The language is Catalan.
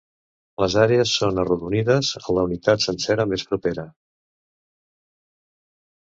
Les àrees són arrodonides a la unitat sencera més propera.